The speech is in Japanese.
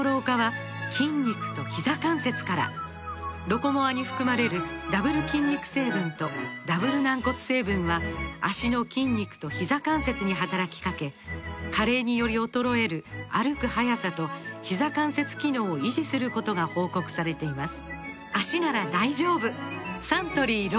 「ロコモア」に含まれるダブル筋肉成分とダブル軟骨成分は脚の筋肉とひざ関節に働きかけ加齢により衰える歩く速さとひざ関節機能を維持することが報告されています